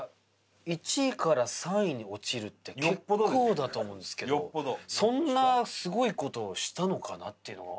１位から３位に落ちるって結構だと思うんですけどそんなすごい事をしたのかなっていうのは。